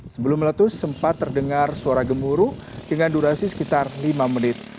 sebelum meletus sempat terdengar suara gemuruh dengan durasi sekitar lima menit